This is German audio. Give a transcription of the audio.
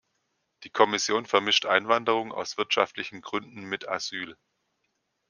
Die Kommission vermischt Einwanderung aus wirtschaftlichen Gründen mit Asyl.